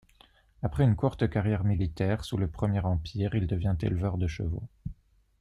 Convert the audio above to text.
Après une courte carrière militaire sous le Premier Empire, il devient éleveur de chevaux.